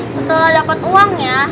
setelah dapet uangnya